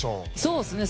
そうっすね